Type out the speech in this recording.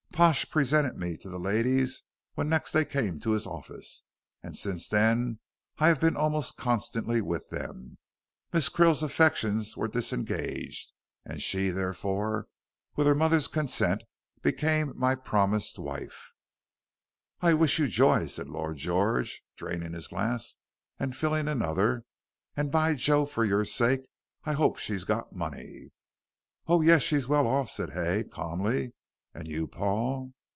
Pash presented me to the ladies when next they came to his office, and since then I have been almost constantly with them. Miss Krill's affections were disengaged, and she, therefore, with her mother's consent, became my promised wife." "I wish you joy," said Lord George, draining his glass and filling another, "and, by Jove! for your sake, I hope she's got money." "Oh, yes, she's well off," said Hay, calmly, "and you, Paul?"